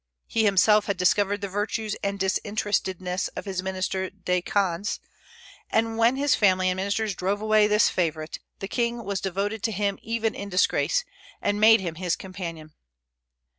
He himself had discovered the virtues and disinterestedness of his minister Décazes, and when his family and ministers drove away this favorite, the king was devoted to him even in disgrace, and made him his companion.